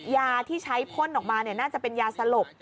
ยาที่ใช้พ่นออกมาน่าจะเป็นยาสลบ